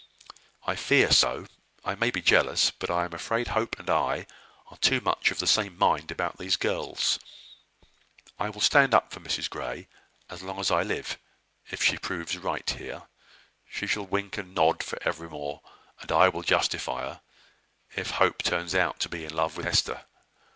I fear so, I may be jealous, but I am afraid Hope and I are too much of the same mind about these girls. I will stand up for Mrs Grey, as long as I live, if she proves right here. She shall wink and nod for evermore, and I will justify her, if Hope turns out to be in love with Hester.